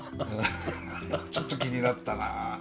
ちょっと気になったな。